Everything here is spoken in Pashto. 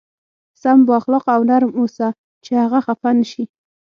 سم با اخلاقه او نرم اوسه چې هغه خفه نه شي.